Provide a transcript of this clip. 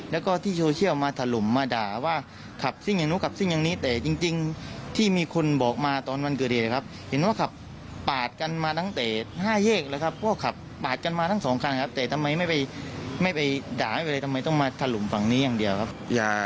แล้วก็ที่โซเชียลมาถล่มมาด่าว่าขับซิ่งอย่างนู้นขับซิ่งอย่างนี้แต่จริงที่มีคนบอกมาตอนวันเกิดเหตุนะครับเห็นว่าขับปาดกันมาตั้งแต่๕แยกแล้วครับก็ขับปาดกันมาทั้งสองคันครับแต่ทำไมไม่ไปไม่ไปด่าไม่เป็นไรทำไมต้องมาถล่มฝั่งนี้อย่างเดียวครับ